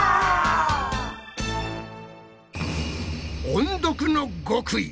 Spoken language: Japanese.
音読の極意！